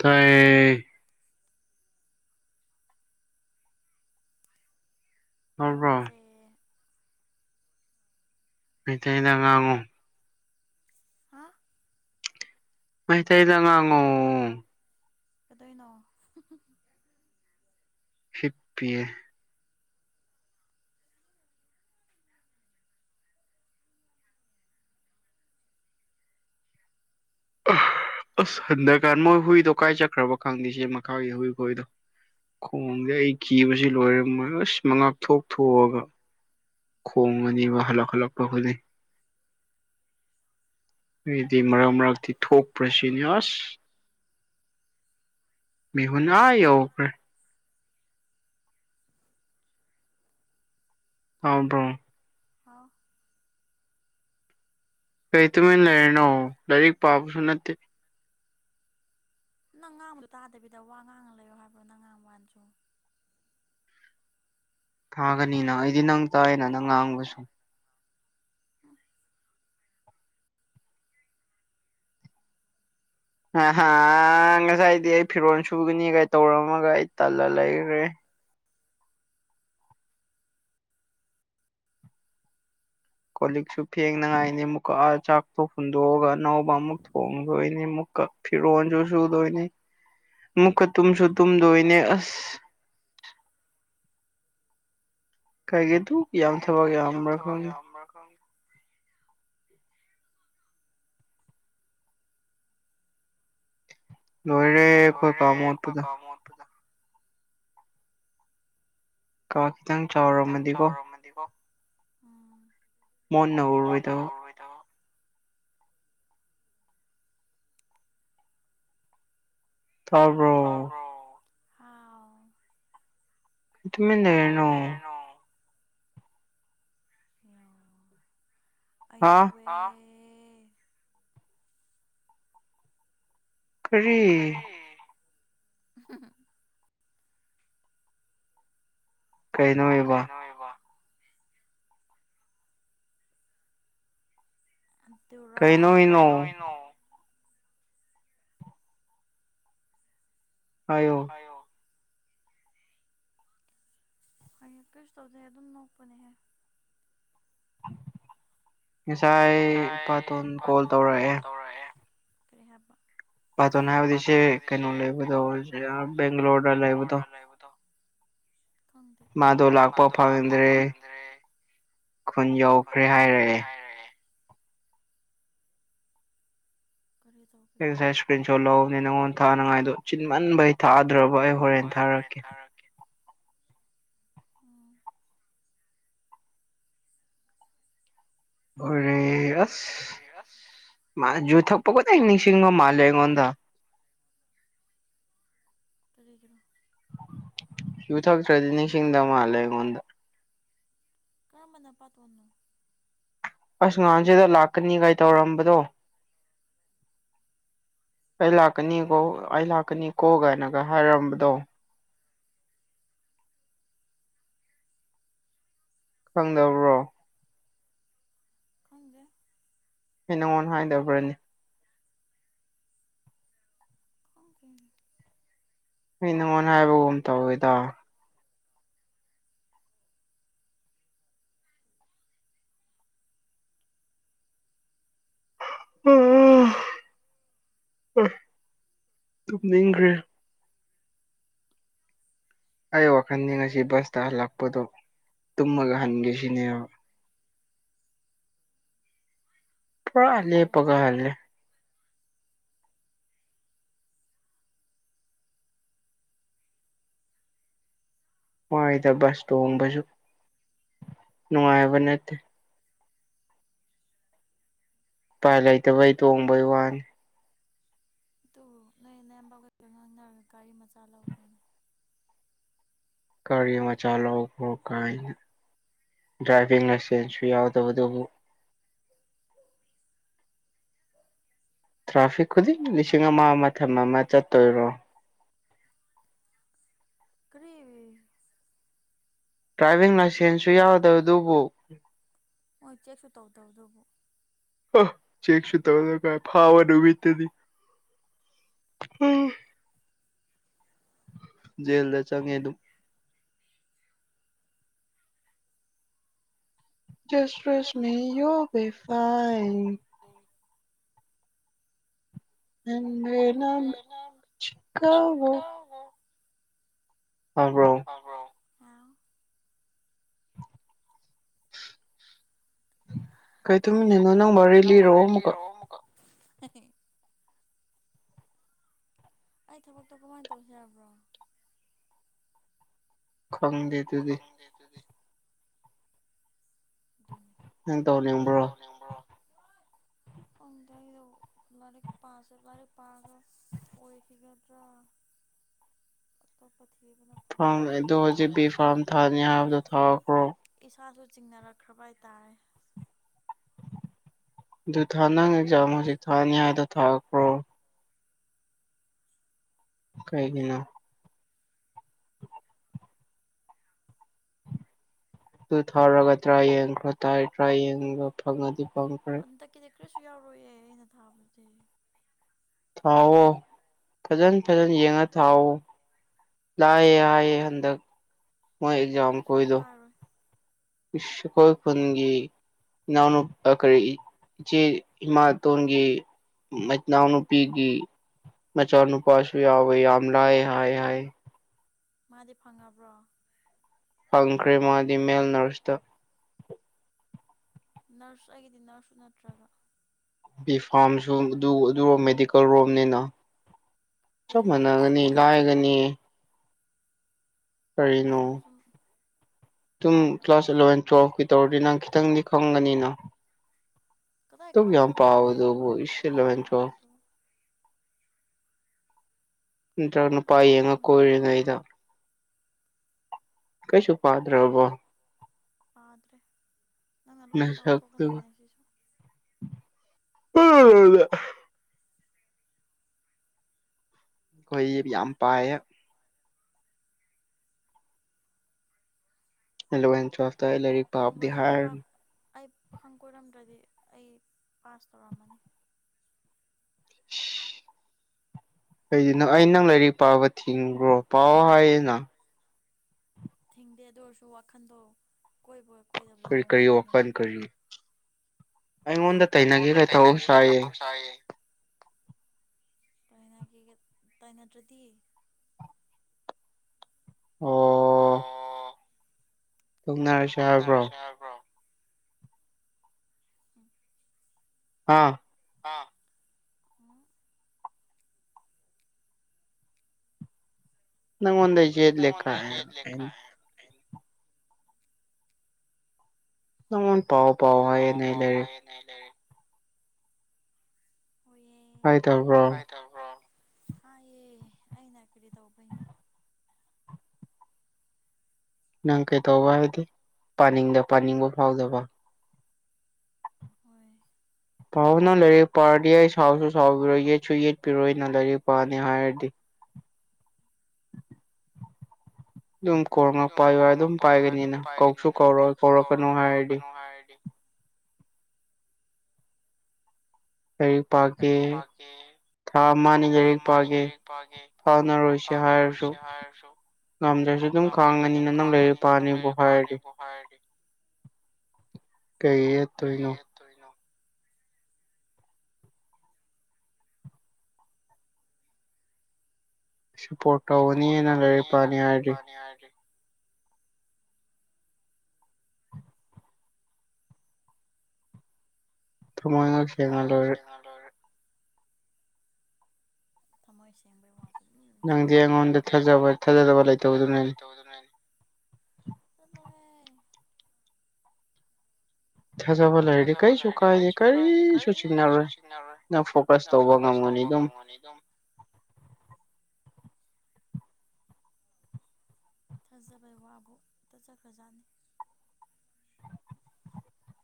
ꯇꯥꯌꯦ ꯌꯥꯝ [unintelligible] ꯃꯩꯇꯩꯅ ꯉꯥꯡꯉꯣ ꯃꯩ ꯇꯩ ꯅ ꯉꯥꯉꯣ ꯀꯗꯣꯏꯅꯣ ꯍꯤꯞꯄꯤꯌꯦ ꯑꯁ ꯍꯟꯗꯀꯥꯟ ꯃꯣꯏ ꯍꯨꯏꯗꯣ ꯀꯥꯏ ꯆꯠꯈ꯭ꯔꯕ ꯈꯪꯗꯦ ꯁꯤ ꯃꯈꯥꯒꯤ ꯍꯨꯏ ꯈꯣꯏꯗꯣ ꯈꯣꯡꯁꯦ ꯑꯩ ꯀꯤꯕꯁꯤ ꯂꯣꯏꯔꯦ ꯑꯁ ꯃꯉꯛ ꯊꯣꯛ ꯊꯣꯛꯑꯒ ꯈꯣꯡ ꯑꯅꯤꯕ ꯍꯜꯂꯛ ꯍꯜꯂꯛꯄ ꯈꯨꯗꯤꯡ ꯑꯗꯨꯗꯤ ꯃꯔꯛ ꯃꯔꯛꯇꯤ ꯊꯣꯛꯄ꯭ꯔꯁꯤꯅꯤ ꯑꯁ ꯃꯤ ꯍꯨꯟ ꯑꯥ ꯌꯧꯈ꯭ꯔꯦ ꯇꯕ꯭ꯔꯣ ꯍꯥꯎ ꯀꯩ ꯇꯨꯃꯤꯅ ꯂꯩꯔꯤꯅꯣ ꯂꯥꯏꯔꯤꯛ ꯄꯥꯕꯁꯨ ꯅꯠꯇꯦ ꯅꯪ ꯉꯥꯡꯕꯗꯣ ꯇꯥꯗꯕꯤꯗ ꯋꯥ ꯉꯥꯡꯉ ꯂꯩꯌꯣ ꯍꯥꯏꯕ꯭ꯔꯣ ꯅꯪ ꯉꯥꯡꯕ ꯋꯥꯁꯨ ꯊꯥꯒꯅꯤꯅ ꯑꯩꯗꯤ ꯅꯪ ꯇꯥꯏꯅ ꯅꯪ ꯉꯥꯡꯕꯁꯨ [unintelligible] ꯉꯁꯥꯏꯗꯤ ꯑꯩ ꯐꯤꯔꯣꯜ ꯁꯨꯒꯅꯤꯒ ꯇꯧꯔꯝꯃꯒ ꯑꯩ ꯇꯜꯂ ꯂꯩꯈ꯭ꯔꯦ ꯀꯣꯜ ꯂꯤꯛꯁꯨ ꯐꯦꯡꯅꯉꯥꯏꯅꯤ ꯑꯃꯨꯛꯀ ꯑꯥ ꯆꯥꯛꯇꯣ ꯍꯨꯟꯗꯣꯛꯑꯒ ꯑꯅꯧꯕ ꯑꯃꯨꯛ ꯊꯣꯡꯗꯣꯏꯅꯤ ꯑꯃꯨꯛ ꯐꯤꯔꯣꯟꯁꯨ ꯁꯨꯗꯣꯏꯅꯤ ꯃꯨꯛꯀ ꯇꯨꯝꯁꯨ ꯇꯨꯝꯗꯣꯏꯅꯦ ꯑꯁ ꯀꯩꯒꯤꯗꯨꯛ ꯌꯥꯝ ꯊꯕꯛ ꯌꯥꯝꯕ꯭ꯔꯥ ꯈꯪꯗꯦ ꯂꯣꯏꯔꯦ ꯑꯩꯈꯣꯏ ꯀꯥ ꯃꯣꯠꯄꯗ ꯀꯥ ꯈꯤꯇꯪ ꯆꯥꯎꯔꯝꯃꯗꯤꯀꯣ ꯎꯝ ꯃꯣꯟ ꯅꯧꯔꯣꯏꯗꯣ ꯇꯥꯕꯔꯣ ꯇꯨꯃꯤꯟ ꯂꯩꯅꯣ ꯑꯣ ꯑꯌꯨꯕ [unintelligible] ꯀꯔꯤ [unintelligible] ꯀꯩꯅꯣ ꯅꯣ ꯏꯕꯣ [unintelligible] ꯀꯩꯅꯣ ꯏꯅꯣ ꯍꯥꯏꯌꯣ ꯍꯣꯏ ꯀꯩꯁꯨ ꯇꯧꯗꯦ ꯑꯗꯨꯝ ꯅꯣꯛꯄꯅꯦꯍꯦ ꯉꯁꯥꯏ ꯏꯄꯥꯇꯣꯟ ꯀꯣꯜ ꯇꯧꯔꯛꯑꯦ ꯀꯔꯤꯍꯕ ꯏꯄꯥꯇꯣꯟ ꯍꯥꯏꯕꯗꯤ ꯁꯤ ꯀꯩꯅꯣ ꯂꯩꯕꯗꯣ ꯕꯦꯡꯒ꯭ꯂꯣꯔ ꯂꯩꯕꯗ ꯃꯥꯗꯨ ꯂꯥꯛꯄ ꯐꯪꯗ꯭ꯔꯦ ꯈꯨꯟ ꯌꯧꯈ꯭ꯔꯦ ꯍꯥꯏꯔꯛꯑꯦ ꯑꯩ ꯉꯥꯁꯥꯏ ꯁꯀꯔꯤꯟ ꯁꯣꯔꯠ ꯂꯧꯍꯎꯕꯅꯦ ꯅꯪꯑꯣꯟ ꯗ ꯊꯥꯅꯤꯡꯉꯥꯗꯨ ꯆꯤꯟꯃꯟꯕꯩ ꯊꯥꯗ ꯗ꯭ꯔꯕ ꯑꯩ ꯍꯣꯔꯦꯟ ꯊꯥꯔꯛꯀꯦ ꯑꯦ ꯑꯁ ꯃꯥ ꯌꯨ ꯊꯛ ꯄ ꯈꯨꯗꯤꯡ ꯅꯤꯡꯁꯤꯡꯕ ꯃꯥꯜꯂꯦ ꯑꯩꯉꯣꯟꯗ ꯀꯔꯤꯒꯤꯔ ꯌꯨ ꯊꯇ꯭ꯔꯦꯗꯤꯅꯤꯁꯤꯡꯗ ꯃꯥꯜꯂꯦ ꯑꯩꯉꯣꯟꯗ ꯀꯔꯝꯕ ꯅꯥꯄꯥ ꯇꯣꯟꯅꯣ ꯑꯁ ꯉꯥꯍꯟꯁꯤꯗ ꯂꯥꯛꯀꯅꯤꯒꯥꯏ ꯇꯧꯔꯝꯕꯗꯣ ꯑꯩ ꯂꯥꯛꯀꯅꯤꯀꯣ ꯑꯩ ꯂꯥꯛꯀꯅꯤꯀꯣ ꯒꯥꯢꯅꯒ ꯍꯥꯏꯔꯝꯕꯗꯣ ꯈꯪꯗꯕ꯭ꯔꯣ ꯈꯪꯗꯦ ꯑꯩ ꯅꯪꯉꯣꯟ ꯍꯥꯏꯗꯕ꯭ꯔꯅꯤ ꯈꯪꯗꯦ ꯑꯩ ꯅꯪꯉꯣꯟ ꯍꯥꯏꯕꯒꯨꯝ ꯇꯧꯋꯤꯗ ꯑꯥ ꯇꯨꯝꯅꯤꯡꯈ꯭ꯔꯦ ꯑꯩ ꯋꯥꯈꯟꯖꯤ ꯉꯁꯤ ꯕꯁꯇ ꯍꯜꯂꯛꯄꯗꯣ ꯇꯨꯝꯃꯒ ꯍꯟꯒꯦ ꯁꯤꯅꯦꯕ ꯄꯨꯔꯥ ꯂꯦꯞꯄꯒ ꯍꯜꯂꯦ ꯆꯥꯏꯗ ꯕꯁ ꯇꯣꯡꯕꯁꯨ ꯅꯨꯡꯉꯥꯏꯕ ꯅꯠꯇꯦ ꯎꯄꯥꯥꯏ ꯂꯩꯇꯕꯩ ꯇꯣꯡꯕꯩ ꯋꯥꯅꯤ ꯑꯗꯨ ꯅꯣꯏ ꯅꯌꯥꯝ ꯄꯈ ꯉꯥꯡꯅꯔ ꯒꯥꯔꯤ ꯃꯆꯥ ꯂꯧꯈ꯭ꯔꯣꯅꯦ ꯒꯥꯔꯤ ꯃꯆꯥ ꯂꯧꯈꯔꯣ ꯀꯥꯏꯅ ꯗ꯭ꯔꯥꯏꯚꯤꯡ ꯂꯥꯏꯁꯦꯟꯁꯁꯨ ꯌꯥꯎꯗꯕꯗꯨꯕꯨ [inaudible] ꯇ꯭ꯔꯥꯐꯤꯛ ꯈꯨꯗꯤꯡ ꯂꯤꯁꯤꯡ ꯑꯃ ꯑꯃ ꯊꯝꯃꯝꯃ ꯆꯠꯇꯣꯏꯔꯣ [inaudible] ꯀꯔꯤ ꯗ꯭ꯔꯥꯏꯚꯤꯡ ꯂꯥꯏꯁꯦꯟꯁꯁꯨ ꯌꯥꯎꯗꯕ ꯑꯗꯨꯕꯨ ꯍꯣꯏ ꯆꯦꯛꯁꯨ ꯇꯧꯗꯕꯗꯨꯕꯨ ꯆꯦꯛꯁꯨ ꯇꯧꯔꯒ ꯐꯥꯕ ꯅꯨꯃꯤꯠ ꯇꯨꯗꯤ ꯖꯦꯜꯗ ꯆꯪꯉꯦ ꯑꯗꯨꯝ ꯢꯁꯇꯔꯦꯁꯃꯤ ꯌꯨ ꯕꯤ ꯐꯥꯏꯟ [unintelligible] ꯇꯕ꯭ꯔꯣ [inaudible] ꯀꯩ ꯇꯨꯝꯃꯤꯟ ꯂꯩꯅꯣ ꯅꯪ ꯋꯥꯔꯤ ꯂꯤꯔꯛꯑꯣ ꯑꯃꯨꯛꯀ [unintelligible] ꯑꯩ ꯊꯕꯛꯇꯣ ꯀꯃꯥꯏꯅ ꯇꯧꯁꯦ ꯍꯥꯏꯕ꯭ꯔꯣ ꯈꯪꯗꯦ ꯑꯗꯨꯗꯤ ꯅꯪ ꯇꯧꯅꯤꯡꯕ꯭ꯔꯣ ꯈꯪꯗꯦ ꯑꯩꯗꯣ ꯂꯥꯢꯔꯤꯛ ꯄꯥꯁꯦ ꯂꯥꯢꯔꯤꯛ ꯄꯥꯒ ꯑꯣꯏꯈꯤꯒꯗ꯭ꯔ [inaudible] ꯐꯥꯔꯝ ꯑꯗꯨ ꯍꯧꯖꯤꯛ ꯐꯥꯔꯝ ꯊꯥꯅꯤ ꯍꯥꯏꯕꯗꯨ ꯊꯥꯈ꯭ꯔꯣ ꯃꯥꯖꯨ ꯆꯤꯡꯅꯔꯛꯈ꯭ꯔꯕ ꯍꯥꯏꯇꯥꯔꯦ ꯑꯗꯨ ꯊꯅ ꯅꯪ ꯑꯦꯛꯖꯥꯝ ꯍꯧꯖꯤꯛ ꯊꯅꯤ ꯍꯥꯏꯗꯣ ꯊꯥꯈ꯭ꯔꯣ ꯀꯩꯒꯤꯅꯣ ꯑꯗꯨ ꯊꯧꯔꯒ ꯇ꯭ꯔꯥ ꯌꯦꯡꯈ꯭ꯔ ꯇ꯭ꯔꯥꯏ ꯇ꯭ꯔꯥꯏ ꯌꯦꯡꯒ ꯐꯪꯉꯗꯤ ꯑꯟꯗꯛꯀꯤꯗꯤ ꯀꯔꯤꯁꯨ ꯌꯥꯎꯔꯣꯏꯌꯦ ꯑꯩꯅ ꯊꯥꯕꯗꯤ ꯊꯥꯎꯑꯣ ꯐꯖꯅ ꯐꯖꯅ ꯌꯦꯡꯉ ꯊꯥꯎꯑꯣ ꯂꯥꯏꯌꯦ ꯍꯥꯏꯌꯦ ꯍꯟꯗꯛ ꯃꯣꯏ ꯑꯦꯛꯖꯥꯝ ꯈꯣꯏꯗꯣ ꯏꯁ ꯑꯈꯣꯏ ꯈꯨꯟꯒꯤ ꯏꯅꯥꯎ ꯑꯥ ꯀꯔꯤ ꯏꯆꯦ ꯏꯃꯥꯇꯣꯟꯒꯤ ꯃꯠꯅꯥꯎꯅꯨꯨꯄꯤꯒꯤ ꯃꯆꯥ ꯅꯨꯄꯥꯁꯨ ꯌꯥꯎꯋꯦ ꯌꯥꯝ ꯂꯥꯏ ꯍꯥꯏ ꯍꯥꯏꯌꯦ ꯃꯥꯗꯤ ꯐꯪꯉꯕ꯭ꯔꯣ ꯐꯪꯈ꯭ꯔꯦ ꯃꯥꯗꯤ ꯃꯦꯜ ꯅꯔꯁꯇ ꯅꯔꯁ ꯑꯩꯒꯤꯗꯤ ꯅꯔꯁꯁꯨ ꯅꯠꯇ꯭ꯔꯒ ꯕꯤꯐꯥꯝꯁꯨ ꯑꯗꯨ ꯑꯗꯨꯔꯣꯝ ꯃꯦꯗꯤꯀꯦꯜ ꯔꯣꯝꯅꯤꯅ ꯆꯞ ꯃꯥꯟꯅꯒꯅꯤ ꯂꯥꯏꯒꯅꯤ ꯀꯔꯤꯅꯣ ꯑꯗꯨꯝ ꯀ꯭ꯂꯥꯁ ꯑꯦꯂꯚꯦꯟ ꯇꯨꯌꯦꯜꯐꯀꯤ ꯇꯧꯔꯗꯤ ꯅꯪ ꯈꯤꯇꯪꯗꯤ ꯈꯪꯒꯅꯤꯅ ꯀꯗꯥꯏ ꯈꯪꯒꯗ꯭ꯔꯍꯦ ꯂꯣꯏꯅ ꯀꯥꯎꯔꯗꯨꯕꯨ ꯅꯠꯇ꯭ꯔ ꯅꯨꯄꯥ ꯌꯦꯡꯉ ꯀꯣꯏꯔ ꯂꯩꯔꯣ ꯀꯩꯁꯨ ꯄꯥꯗ꯭ꯔꯕꯣ ꯄꯥꯗ꯭ꯔꯦ ꯅꯪꯅ ꯂꯣꯏ ꯇꯧꯊꯣꯛꯀꯅꯤ ꯉꯁꯤꯁꯨ [unintelligible] ꯑꯩꯈꯣꯏ ꯌꯥꯝ ꯄꯥꯏ ꯑꯦꯂꯣꯋꯦꯟ ꯇꯨꯏꯌꯠꯇ ꯑꯩ ꯂꯥꯏꯔꯥꯛ ꯄꯥꯕꯗꯤ ꯍꯥꯏꯔꯨꯅꯨ ꯑꯩ ꯄꯥꯈꯪ ꯀꯣꯏꯔꯝꯗ꯭ꯔꯗꯤ ꯑꯩ ꯄꯥꯁ ꯇꯧꯔꯝꯃꯅꯤ ꯁꯤ ꯀꯩꯒꯤꯅꯣ ꯑꯩ ꯅꯪ ꯂꯥꯏꯔꯤꯛ ꯄꯥꯕ ꯊꯤꯡꯕ꯭ꯔꯣ ꯄꯥꯎ ꯍꯥꯏꯌꯦꯅ ꯊꯤꯡꯗꯦ ꯑꯗꯨ ꯑꯣꯏꯔꯁꯨ ꯋꯥꯈꯟꯗꯣ ꯀꯔꯤ ꯀꯔꯤ ꯋꯥꯈꯟ ꯀꯔꯤ ꯑꯩꯉꯣꯟꯗ ꯇꯥꯏꯅꯕ ꯇꯧ ꯁꯥꯏꯌꯦ ꯇꯥꯏꯅꯥꯒꯤ ꯇꯥꯏꯅꯥꯗ꯭ꯔꯗꯤ ꯑꯣ [unintelligible] ꯊꯨꯡꯅꯔꯁꯦ ꯍꯥꯏꯕ꯭ꯔꯣ ꯑꯥ ꯑꯥ ꯍꯝ ꯅꯪꯉꯣꯟꯗꯩ ꯌꯦꯠꯂꯦꯀꯥꯏ ꯅꯪꯉꯣꯟ ꯄꯥꯎ ꯄꯥꯎ ꯍꯥꯏꯌꯦꯅꯦ ꯂꯥꯏꯔꯤꯛ ꯍꯥꯏꯗꯕ꯭ꯔꯣ ꯍꯥꯥꯏꯌꯦ ꯑꯩꯅ ꯀꯔꯤ ꯇꯩꯕꯩꯅꯤ ꯅꯪ ꯀꯩꯇꯧꯕ ꯍꯥꯏꯗꯤ ꯄꯥꯅꯤꯡꯗ ꯄꯥꯅꯤꯡꯕ ꯐꯥꯎꯗꯕ ꯄꯥꯎꯋꯣꯅ ꯂꯥꯏꯔꯤꯛ ꯄꯥꯔꯗꯤ ꯑꯩ ꯁꯥꯎꯁꯨ ꯁꯥꯎꯕꯤꯔꯣꯏ ꯌꯦꯠꯁꯨ ꯌꯦꯠꯄꯤꯔꯣꯏ ꯅꯪ ꯂꯥꯏꯔꯤꯛ ꯄꯥꯅꯤ ꯍꯥꯏꯔꯗꯤ ꯑꯗꯨꯝ ꯀꯣꯜ ꯉꯥꯏꯍꯛ ꯄꯥꯏꯌꯣ ꯍꯥꯏ ꯑꯗꯨꯝꯄꯥꯏꯒꯅꯤꯅ ꯀꯧꯁꯨ ꯀꯧꯔꯣꯏ ꯀꯧꯔꯛꯀꯅꯨ ꯍꯥꯏꯔꯗꯤ ꯀꯔꯤꯄꯥꯥꯒꯦ ꯊꯥ ꯑꯃꯅꯤ ꯂꯥꯏꯔꯤꯛ ꯄꯥꯒꯦ ꯐꯥꯎꯅꯔꯣꯏꯁꯦ ꯍꯥꯏꯔꯁꯨ ꯉꯝꯗ꯭ꯔꯁꯨ ꯑꯗꯨꯝ ꯈꯥꯡꯉꯅꯤꯅ ꯅꯪ ꯂꯩꯔꯤꯛ ꯄꯥꯅꯤꯕꯨ ꯍꯥꯏꯔꯗꯤ ꯀꯩꯌꯦꯠ ꯇꯣꯏꯅꯣ ꯁꯄꯣꯔꯠ ꯇꯧꯅꯤꯅꯪ ꯂꯥꯏꯔꯤꯛ ꯄꯅꯤ ꯍꯥꯏꯔꯗꯤ ꯊꯃꯣꯏ ꯈꯛ ꯁꯦꯡꯉ ꯂꯣꯏꯔꯦ ꯊꯃꯣꯏ ꯁꯦꯡꯕꯩ ꯋꯥ ꯅꯪꯗꯤꯑꯩꯉꯣꯟꯗꯥ ꯊꯥꯖꯕ ꯊꯥꯖꯗꯕ ꯂꯩꯇꯕꯗꯨꯅ ꯆꯠꯂꯣꯍꯦ ꯊꯥꯖꯕ ꯂꯩꯔꯗꯤ ꯀꯔꯤꯁꯨ ꯀꯥꯏꯗꯦ ꯀꯔꯤꯁꯨ ꯆꯤꯡꯅꯔꯣꯏ ꯅꯪ ꯐꯣꯀꯁ ꯇꯧꯋꯣ ꯃꯅꯤ ꯑꯗꯨꯝ [inaudible] ꯊꯥꯖꯕꯩ ꯋꯥꯕꯨ ꯇꯖꯈ꯭ꯔꯖꯥꯠꯅꯤ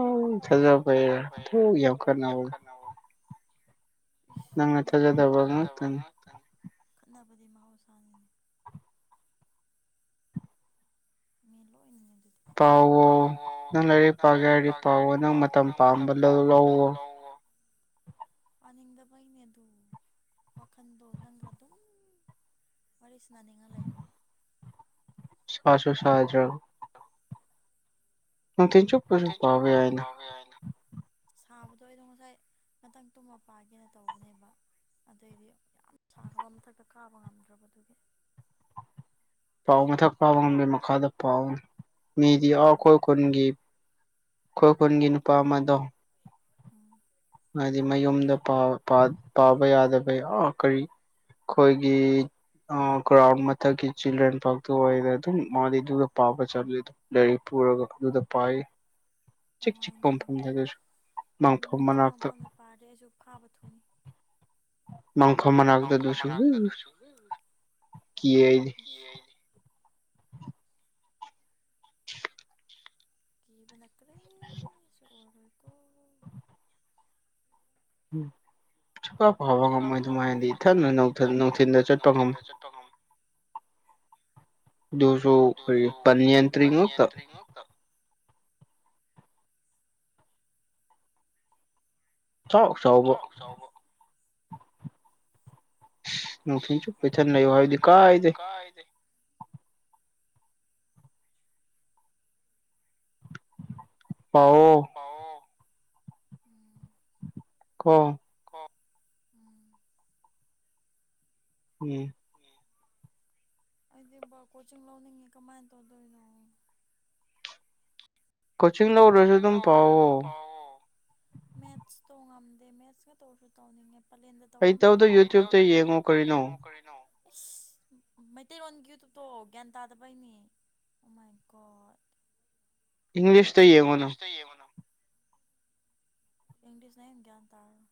ꯎ ꯊꯖꯕꯩꯔ [unintelligible] ꯊ ꯌꯥꯧ ꯀꯅꯥꯕꯨ ꯅꯪꯅ ꯊꯖꯗꯕ ꯉꯛꯇꯅꯤ ꯈꯠꯅꯕꯗꯤ ꯃꯍꯧꯁꯥꯅꯤꯅꯦ ꯃꯤꯂꯣꯏꯅ ꯇꯑꯣ ꯅꯪ ꯂꯥꯏꯔꯤꯛ ꯄꯥꯒꯦ ꯍꯥꯏꯗꯤ ꯄꯥꯋꯣ ꯅꯪ ꯃꯇꯝ ꯄꯥꯝꯕ ꯂꯧꯋꯣ ꯄꯥꯅꯤꯡꯗꯕꯩꯅꯦ ꯑꯗꯨꯝ ꯋꯥꯈꯟꯗꯣ ꯅꯪꯒ ꯑꯗꯨꯝ ꯋꯥꯔꯤ ꯁꯅꯥꯅꯤꯡꯉ ꯂꯩꯕ ꯁꯥ ꯁꯨ ꯁꯥꯗ꯭ꯔ ꯅꯨꯡꯊꯤꯜ ꯆꯨꯞ ꯄꯁꯨꯨ ꯄꯥꯕ ꯌꯥꯥꯏꯅ ꯄꯕꯗꯣ ꯑꯩꯗꯣ ꯉꯁꯥꯏ ꯉꯥꯛꯇꯪ ꯇꯨꯝꯃ ꯄꯥꯒꯦꯅ ꯇꯧꯕꯅꯦꯕ ꯑꯗꯩꯗꯤ ꯌꯥꯝ ꯁꯥꯈ꯭ꯔꯕ ꯃꯊꯛꯇ ꯀꯥꯕ ꯉꯝꯗ꯭ꯔꯕꯗꯨꯒꯤ ꯄꯥꯎ ꯃꯊꯛ ꯄꯕ ꯉꯝꯗꯦ ꯃꯈꯥꯗ ꯄꯥꯎꯅꯦ ꯃꯤꯗꯤ ꯑꯥ ꯑꯈꯣꯏ ꯈꯨꯟꯒꯤ ꯑꯈꯣꯏ ꯈꯨꯟꯒꯤ ꯅꯨꯄꯥꯃꯗꯣ ꯍꯥꯏꯗꯤ ꯃꯌꯨꯝꯗ ꯄꯥ ꯄꯥ ꯄꯥꯕ ꯌꯥꯗꯕꯩ ꯑꯥ ꯀꯔꯤ ꯑꯩꯈꯣꯏꯒꯤ ꯑꯥ ꯀ꯭ꯔꯥꯎꯟ ꯃꯊꯛꯀꯤ ꯆꯤꯗ꯭ꯔꯟ ꯄꯥꯛꯇꯣ ꯑꯣꯏꯔꯦ ꯑꯗꯨꯝ ꯃꯥꯗꯤ ꯗꯨꯗ ꯄꯥꯕ ꯆꯠꯂꯦ ꯂꯩ ꯄꯨꯔꯒ ꯑꯗꯨꯗ ꯄꯥꯏ ꯆꯤꯛ ꯆꯤꯛꯄ ꯃꯐꯝꯗ ꯗꯨꯁꯨ ꯃꯥꯡꯐꯝ ꯃꯅꯥꯛꯇ ꯃꯐꯝꯗ ꯄꯥꯔꯗꯤ ꯑꯩꯁꯨ ꯐꯥꯕ ꯊꯨꯅꯤ ꯃꯡꯐꯝ ꯃꯅꯥꯇ ꯗꯨꯁꯨ ꯀꯤꯌꯦ ꯑꯩꯗꯤ ꯀꯤꯕꯅ ꯀꯔꯤꯝ [inaudible] ꯑꯣꯏꯔꯣꯏꯀꯣ ꯎꯝ ꯁꯨꯡꯄ ꯄꯕ ꯉꯝꯃꯣꯏ ꯗꯨꯃꯥꯏꯅꯗꯤ ꯏꯊꯟꯗ ꯅꯨꯡꯊꯤꯜ ꯅꯨꯡꯊꯤꯟꯗ ꯆꯠꯄ ꯉꯝꯃꯣꯏ ꯗꯨꯁꯨ ꯀ꯭ꯔꯤ ꯄꯟꯅꯤꯌꯥꯟ ꯇ꯭ꯔꯤ ꯉꯛꯇ ꯆꯥꯎ ꯆꯥꯎꯕ ꯅꯨꯡꯊꯤꯜ ꯆꯨꯞꯄꯥ ꯏꯊꯟ ꯂꯩꯌꯨ ꯍꯥꯏꯗꯤ ꯀꯥꯏꯗꯩ ꯄꯥꯑꯣ ꯀꯣ [unintelligible] ꯎꯝ [inaudible] ꯑꯩꯗꯤ ꯕꯥ ꯀꯣꯆꯤꯡ ꯂꯧꯅꯤꯡꯉꯤ ꯀꯃꯥꯏꯅ ꯇꯧꯗꯣꯏꯅꯣ ꯀꯣꯆꯤꯡ ꯂꯧꯔꯁꯨ ꯑꯗꯨꯝ ꯄꯥꯎꯑꯣ ꯗꯦꯃꯦꯁꯀ ꯇꯧꯁꯨ ꯇꯧꯅꯤꯡꯉꯦ ꯄꯂꯦꯟꯗ ꯇꯧꯐꯜ ꯂꯩꯌꯦ ꯀꯔꯤ ꯇꯧꯗꯒꯦ ꯌꯨꯇ꯭ꯌꯨꯞꯇ ꯌꯦꯡꯉꯣ ꯀꯔꯤꯅꯣ [inaudible] ꯃꯇꯩꯔꯣꯟꯒꯤ ꯌꯨꯇꯨꯞꯇꯣ ꯒꯤꯌꯟ ꯇꯥꯗꯕꯩꯅꯤ ꯑꯣ ꯃꯥꯏ ꯒꯣꯠ ꯏꯪꯂꯤꯁꯇ ꯌꯦꯡꯉꯨꯅꯨ ꯏꯪꯂꯤꯁꯅꯥ ꯍꯦꯟꯅ ꯒꯤꯌꯟ ꯇꯔꯔꯣꯏ